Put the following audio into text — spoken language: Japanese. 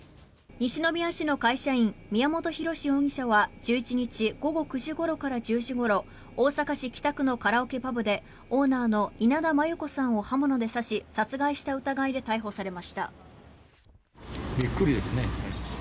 西宮市の会社員宮本浩志容疑者は１１日午後９時ごろから１０時ごろ大阪市北区のカラオケパブでオーナーの稲田真優子さんを刃物で刺し殺害した疑いで逮捕されました。